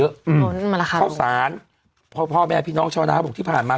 อืมมันราคาข้าวสารพ่อพ่อแม่พี่น้องเช้าหน้าบอกที่ผ่านมา